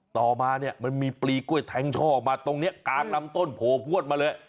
ต่อมาเนี่ยมันมีปลีกล้วยแทงช่อมาตรงนี้กลางลำต้นโผล่พวดมาเลย